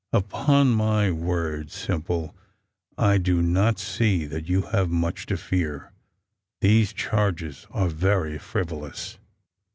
"Upon my word, Simple, I do not see that you have much to fear. These charges are very frivolous."